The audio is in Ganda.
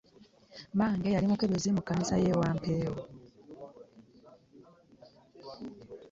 Mmange yali mukebezi mu kkanisa y'e Wampeewo.